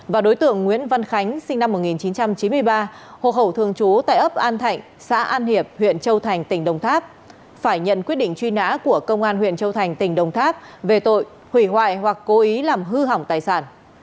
và đối tượng nguyễn văn khánh sinh năm một nghìn chín trăm chín mươi ba hộ khẩu thường trú tại ấp an thạnh xã an hiệp huyện châu thành tỉnh đồng tháp phải nhận quyết định truy nã của công an huyện châu thành tỉnh đồng tháp về tội hủy hoại hoặc cố ý làm hư hỏng tài sản